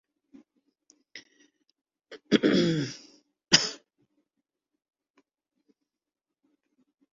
لیکن جیس جیس دوڑ گ ، چلتے گ ویس ویس ت دھ گئی